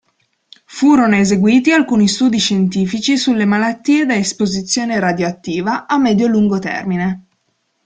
Furono eseguiti alcuni studi scientifici sulle malattie da esposizione radioattiva a medio-lungo termine.